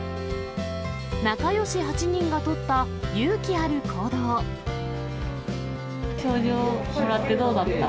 仲よし８人が取った、勇気あ賞状もらってどうだった？